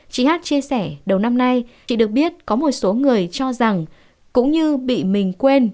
chị hát chia sẻ đầu năm nay chị được biết có một số người cho rằng cũng như bị mình quên